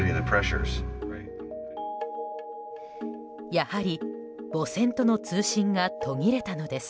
やはり母船との通信が途切れたのです。